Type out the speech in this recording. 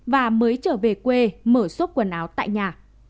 và mới trở về quê mở sốc quần áo tại nhà